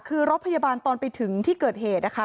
คือรถพยาบาลตอนไปถึงที่เกิดเหตุนะคะ